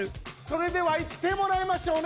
それでは言ってもらいましょう。